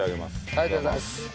ありがとうございます。